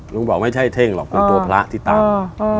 ลุงบอกไม่ใช่เท่งหรอกมันตัวพระที่ตาม